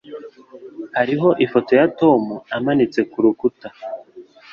Hariho ifoto ya Tom amanitse kurukuta.